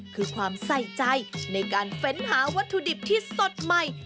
คือความใส่ใจในการเฟ้นหาวัตถุดิบที่สดใหม่